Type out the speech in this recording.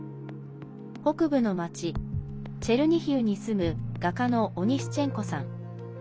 北部の町、チェルニヒウに住む画家のオニシュチェンコさん。